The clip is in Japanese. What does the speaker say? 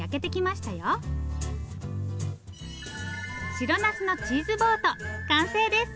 白なすのチーズボート完成です。